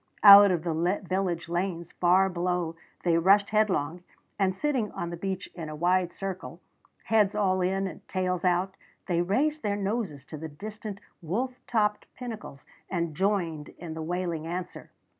Out of the village lanes far below they rushed headlong, and sitting on the beach in a wide circle, heads all in and tails out, they raised their noses to the distant, wolf topped pinnacles and joined in the wailing answer.